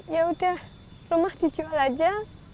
ya udah rumah dijual aja